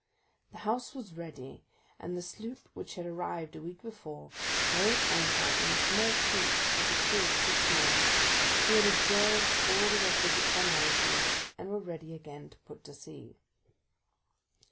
The house was ready, and the sloop which had arrived a week before lay at anchor in a small creek with her crew of six men, who had observed all the requisite formalities and were ready again to put to sea.